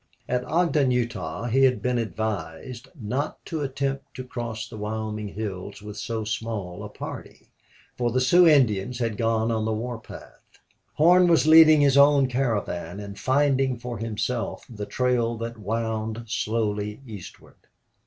At Ogden, Utah, he had been advised not to attempt to cross the Wyoming hills with so small a party, for the Sioux Indians had gone on the war path. Horn was leading his own caravan and finding for himself the trail that wound slowly eastward.